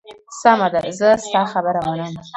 سمه ده، زه ستا خبره منم.